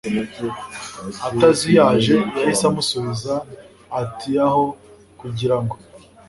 atazuyaje yahise amusubiza atiaho kugira ngo